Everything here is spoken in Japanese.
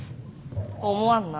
思わんな。